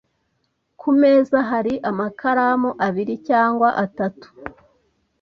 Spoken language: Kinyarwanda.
Ku meza hari amakaramu abiri cyangwa atatu.